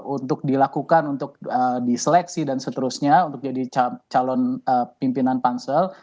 untuk dilakukan untuk diseleksi dan seterusnya untuk jadi calon pimpinan pansel